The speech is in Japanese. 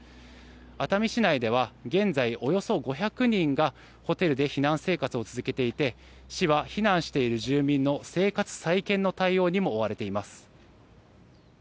熱海市内では現在、およそ５００人がホテルで避難生活を続けていて市は避難している住民の生活再建の対応にも追われています。